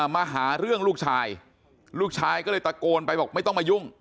มาหาเรื่องลูกชายลูกชายก็เลยตะโกนไปบอกไม่ต้องมายุ่ง